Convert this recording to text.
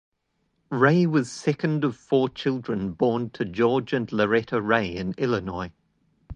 Ray was second of four children born to George and Loretta Ray in Illinois.